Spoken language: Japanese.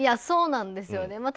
そうなんですよね。